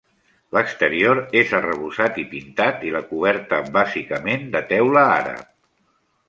L'exterior és arrebossat i pintat i la coberta bàsicament de teula àrab.